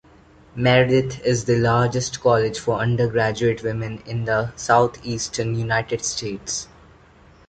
Meredith is the largest college for undergraduate women in the southeastern United States.